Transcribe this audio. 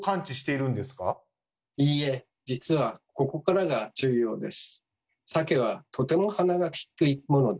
いいえ実はここからが重要です。